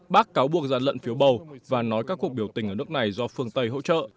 bác cáo buộc gian lận phiếu bầu và nói các cuộc biểu tình ở nước này do phương tây hỗ trợ